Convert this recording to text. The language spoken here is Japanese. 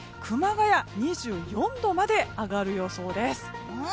熊谷、２４度まで上がる予想です。